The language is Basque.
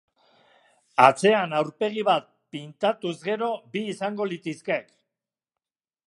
Atzean aurpegi bat pintatuz gero bi izango litizkek.